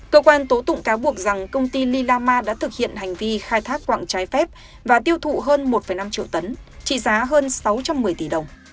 cơ quan tố tụng cáo buộc rằng công ty lila ma đã thực hiện hành vi khai thác quạng trái phép và tiêu thụ hơn một năm triệu tấn trị giá hơn sáu trăm một mươi tỷ đồng